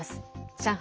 上海